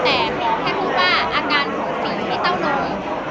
แต่หมู่ป้าอาการผูกฝีในเต้านมน้ำ